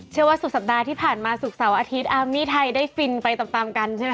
เชื่อว่าสุดสัปดาห์ที่ผ่านมาศุกร์เสาร์อาทิตย์อาร์มี่ไทยได้ฟินไปตามกันใช่ไหมค